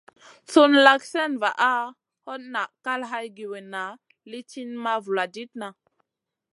Sùn lak slèna vaʼa, hot naʼ kal hay giwinna lì ti ma vuladidna.